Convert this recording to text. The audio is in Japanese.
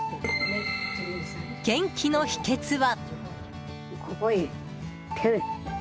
元気の秘訣は。